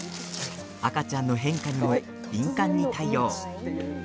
赤ちゃんの変化にも敏感に対応。